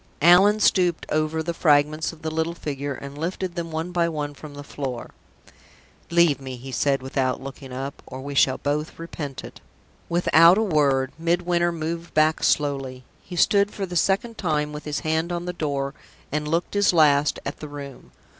Allan stooped over the fragments of the little figure, and lifted them one by one from the floor. "Leave me," he said, without looking up, "or we shall both repent it." Without a word, Midwinter moved back slowly. He stood for the second time with his hand on the door, and looked his last at the room.